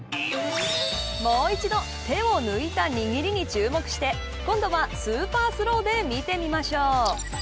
もう一度手を抜いた握りに注目して今度はスーパースローで見てみましょう。